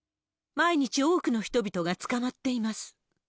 毎日多くの人々が捕まっています。